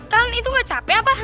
kan itu gak capek apa